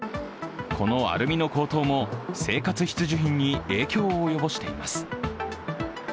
このアルミの高騰も生活必需品に影響を及ぼしています。